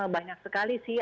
banyak sekali sih